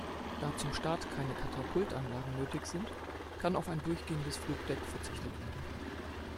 Da zum Start keine Katapult-Anlagen nötig sind, kann auf ein durchgehendes Flugdeck verzichtet werden.